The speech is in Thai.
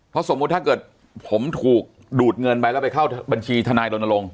เพราะสมมุติถ้าเกิดผมถูกดูดเงินไปแล้วไปเข้าบัญชีทนายรณรงค